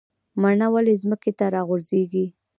مڼه ولې ځمکې ته راغورځیږي؟